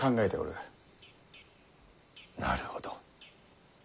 なるほど。